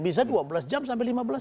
bisa dua belas jam sampai lima belas jam